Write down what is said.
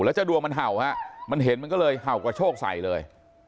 แล้วจะดวงมันเห่าฮะมันเห็นมันก็เลยเห่ากระโชคใส่เลย